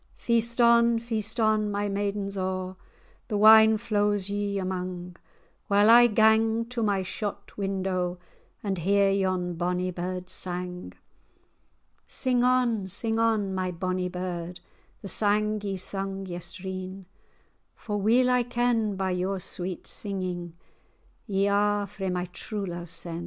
"Feast on, feast on, my maidens a', The wine flows you amang, While I gang to my shot window And hear yon bonnie bird's sang. Sing on, sing on, my bonny bird, The sang ye sung yestreen, For weel I ken, by your sweet singing Ye are frae my true love sen."